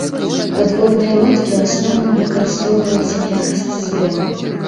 Падводныя лодкі ў асноўным выкарыстоўваюцца ў якасці зброі.